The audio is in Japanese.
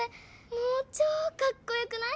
もう超かっこよくない？